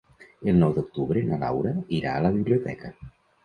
El nou d'octubre na Laura irà a la biblioteca.